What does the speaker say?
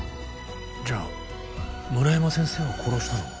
じゃあ村山先生を殺したのも？